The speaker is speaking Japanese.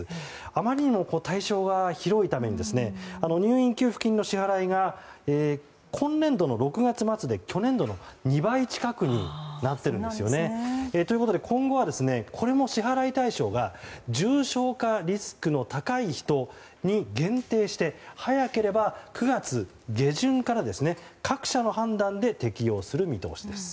あまりにも対象が広いために入院給付金の支払いが今年度の６月末で去年度の２倍近くになってるんですよね。ということで、今後はこれも支払い対象が重症化リスクの高い人に限定して早ければ９月下旬から各社の判断で適用する見通しです。